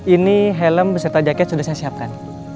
ini helm beserta jaket sudah saya siapkan